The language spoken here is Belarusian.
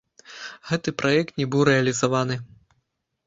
Гэты праект не быў рэалізаваны.